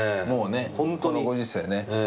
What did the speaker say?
もうねこのご時世ね。